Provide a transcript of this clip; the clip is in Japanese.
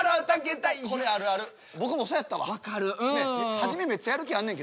初めめっちゃやる気あんねんけど。